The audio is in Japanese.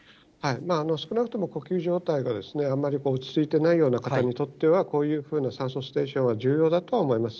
少なくとも呼吸状態があんまり落ち着いてないような方にとっては、こういうふうな酸素ステーションは重要だとは思います。